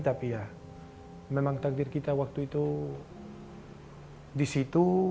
tapi ya memang takdir kita waktu itu di situ